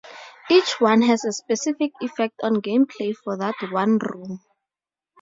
Each one has a specific effect on game play for that one room.